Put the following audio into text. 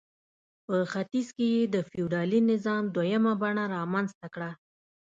په ختیځ کې یې د فیوډالي نظام دویمه بڼه رامنځته کړه.